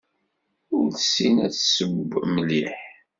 Ur tessin ad tesseww mliḥ.